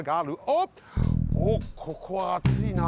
おっここはあついな。